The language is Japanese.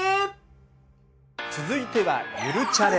続いては「ゆるチャレ」。